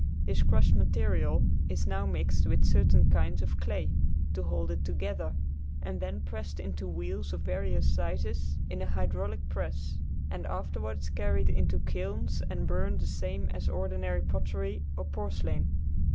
This crushed material is now mixed with certain kinds of clay, to hold it together, and then pressed into wheels of various sizes in a hydraulic press, and afterward carried into kilns and burned the same as ordinary pottery or porcelain.